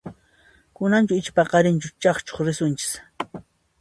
Kunanchu icha paqarinchu chakchuq risunchis?